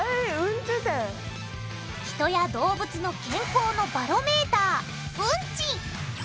人や動物の健康のバロメーターうんち！